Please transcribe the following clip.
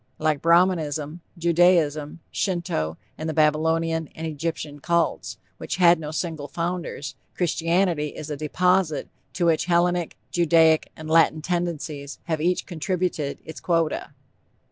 Like Brahmanism, Judaism, Shinto and the Babylonian and Egyptian Cults, which had no single founders, Christianity is a deposit to which Hellenic, Judaic and Latin tendencies have each contributed its quota.